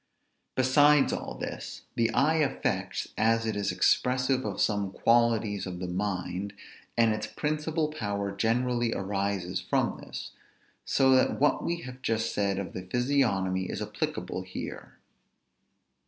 Besides all this, the eye affects, as it is expressive of some qualities of the mind, and its principal power generally arises from this; so that what we have just said of the physiognomy is applicable here.